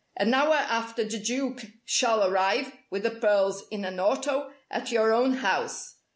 An hour after the Duke shall arrive with the pearls, in an auto at your own house.